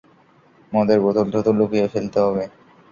মদের বোতল দ্রুত লুকিয়ে ফেলতে হবে।